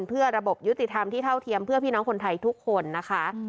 เพื่อระบบยุติธรรมที่เท่าเทียมเพื่อพี่น้องคนไทยทุกคนนะคะ